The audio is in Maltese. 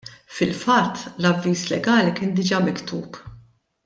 Fil-fatt l-avviż legali kien diġa' miktub.